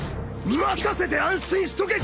任せて安心しとけコラァ！